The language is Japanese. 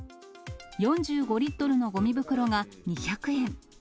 ４５リットルのごみ袋が２００円。